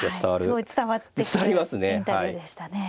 すごい伝わってくるインタビューでしたね。